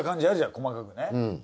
細かくね。